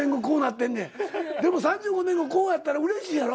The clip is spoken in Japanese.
でも３５年後こうやったらうれしいやろ？